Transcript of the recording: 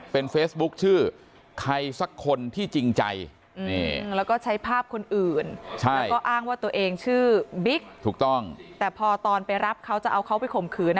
ภาพคนอื่นใช่แล้วก็อ้างว่าตัวเองชื่อบิ๊กถูกต้องแต่พอตอนไปรับเขาจะเอาเขาไปข่มขืน